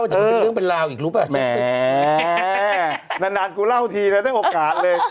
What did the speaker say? เดี๋ยวมันเป็นเรื่องเป็นราวอีกรู้ป่ะแม่นานกูเล่าทีนะได้โอกาสเลย